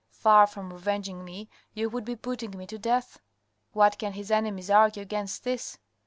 Far from revenging me, you would be putting me to death. "What can his enemies argue against this?